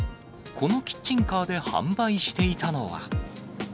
このキッチンカーで販売していたのは。